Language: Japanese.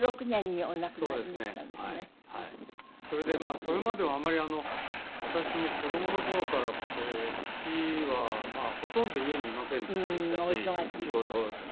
それでそれまではあまり私も子どもの頃からこう父はほとんど家にいませんでしたし仕事で。